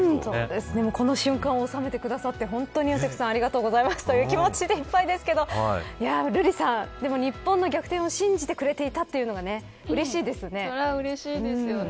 この瞬間を収めてくださってありがとうございますという気持ちでいっぱいですが瑠麗さん、日本の逆転を信じてくれていたっていうのがそれは、うれしいですね。